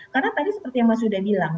karena tadi seperti yang mas yuda bilang